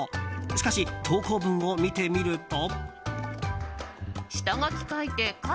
しかし、投稿文を見てみると。